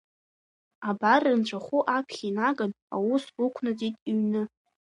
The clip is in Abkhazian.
Абар рынцәахәы аԥхьа инаган, аус ықәнаҵеит иҩны…